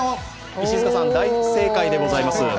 石塚さん、大正解でございます。